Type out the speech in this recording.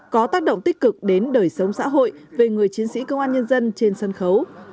có tác động tích cực đến đời sống xã hội về người chiến sĩ công an nhân dân trên sân khấu